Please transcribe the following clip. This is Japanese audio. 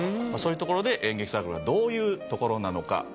そういうところで演劇サークルはどういうところなのか。